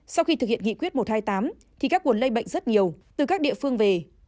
sau khi thực hiện nghị quyết một trăm hai mươi tám thì các nguồn lây bệnh rất nhiều từ các địa phương về